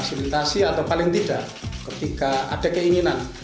masa latresi memfasilitasi atau paling tidak ketika ada keinginan